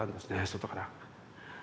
外から。